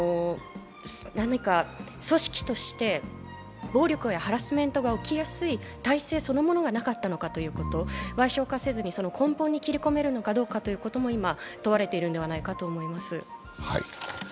組織として暴力やハラスメントが起きやすい体制そのものがなかったのかということ、矮小化せずに根本に切り込めるかどうかも問われているんだと思います。